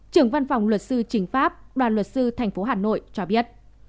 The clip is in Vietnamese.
trưởng văn phòng luật sư chính pháp đoàn luật sư thành phố hà nội cho biết